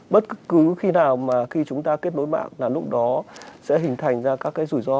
bất cứ khi nào mà khi chúng ta kết nối mạng là lúc đó sẽ hình thành ra các cái rủi ro